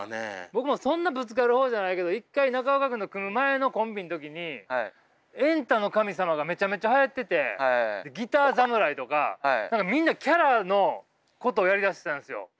僕もそんなぶつかる方じゃないけど一回中岡君と組む前のコンビの時に「エンタの神様」がめちゃめちゃはやっててギター侍とか何かみんなキャラのことをやりだしてたんですよ。